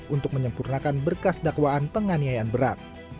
untuk menyempurnakan berkas dakwaan penganiayaan berat